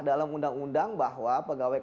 dalam undang undang bahwa pegawai